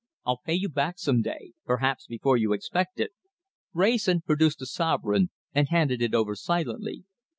I'll pay you back some day perhaps before you expect it." Wrayson produced a sovereign and handed it over silently.